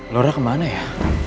lora kemana ya